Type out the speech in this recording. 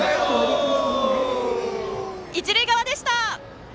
一塁側でした。